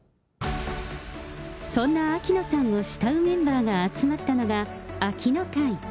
そんな秋野さんを慕うメンバーが集まったのが、秋野会。